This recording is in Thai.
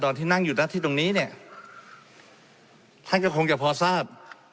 ที่นั่งอยู่หน้าที่ตรงนี้เนี่ยท่านก็คงจะพอทราบ